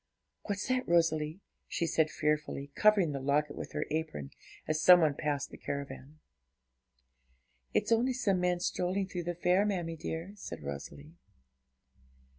What's that, Rosalie?' she said fearfully, covering the locket with her apron, as some one passed the caravan. 'It's only some men strolling through the fair, mammie dear,' said Rosalie.